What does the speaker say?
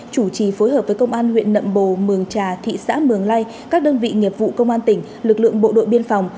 chủ trì phối hợp với công an huyện nậm bồ mường trà thị xã mường lây các đơn vị nghiệp vụ công an tỉnh lực lượng bộ đội biên phòng